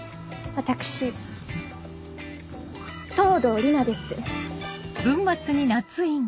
私藤堂莉奈です。